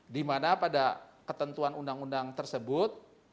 dimana pada ketentuan undang undang tersebut